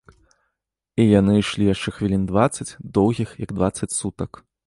І яны ішлі яшчэ хвілін дваццаць, доўгіх, як дваццаць сутак.